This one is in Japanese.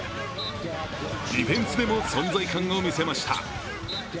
ディフェンスでも存在感を見せました。